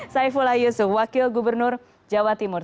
saifullah yusuf wakil gubernur jawa timur